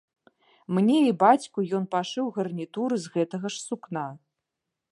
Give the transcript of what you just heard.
Мне і бацьку ён пашыў гарнітуры з гэтага ж сукна.